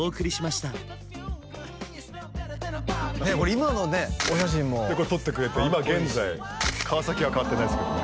今のねお写真もかっこいいしこれ撮ってくれて今現在カワサキは変わってないですけどね